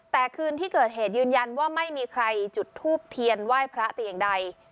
แต่คืนที่เกิดเหตุยืนยันว่าไม่มีใครจุดทูบเทียนไหว้พระแต่อย่างใด